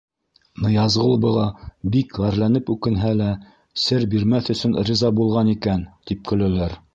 Ныязғол быға бик ғәрләнеп үкенһә лә, сер бирмәҫ өсөн риза булған икән, тип көләләр.